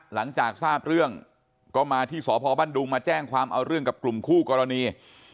หลังจากทราบเรื่องก็มาที่สพบ้านดุงมาแจ้งความเอาเรื่องกับกลุ่มคู่กรณี